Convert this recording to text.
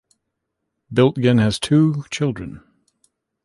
Biltgen has two children.